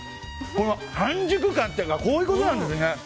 この半熟感というかこういうことなんですね。